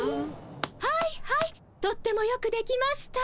はいはいとってもよくできました。